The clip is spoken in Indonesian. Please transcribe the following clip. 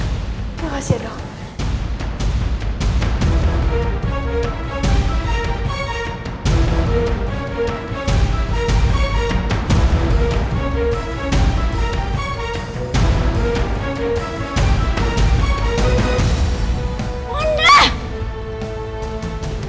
terima kasih dok